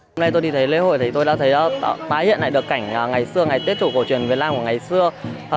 hôm nay tôi đi thấy lễ hội thì tôi đã thấy tái hiện lại được cảnh ngày xưa ngày tết cổ truyền việt nam của ngày xưa